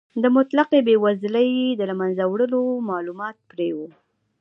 د مطلقې بې وزلۍ د له منځه وړلو مالومات پرې و.